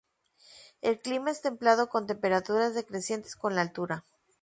El clima es templado, con temperaturas decrecientes con la altura.